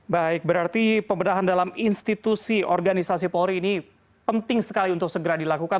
baik berarti pembenahan dalam institusi organisasi polri ini penting sekali untuk segera dilakukan